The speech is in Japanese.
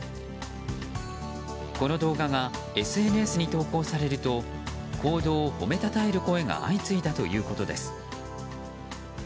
この動画がＳＮＳに投稿されると行動を褒めたたえる声が相次いだということです。